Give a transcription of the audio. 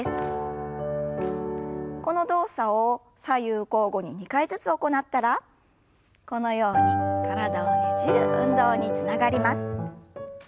この動作を左右交互に２回ずつ行ったらこのように体をねじる運動につながります。